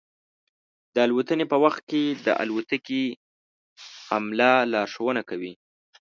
د الوتنې په وخت کې د الوتکې عمله لارښوونه کوي.